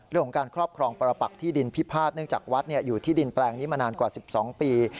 เรื่องของการครอบครองปรปักที่ดินพิพาทเนื่องจากวัดอยู่ที่ดินแปลงนี้มานานกว่า๑๒ปี